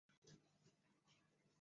附贡出身。